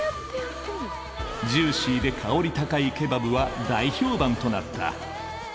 ジューシーで香り高いケバブは大評判となった。